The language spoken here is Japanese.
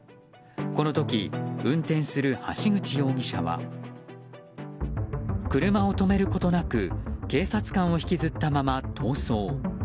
この時、運転する橋口容疑者は車を止めることなく警察官を引きずったまま逃走。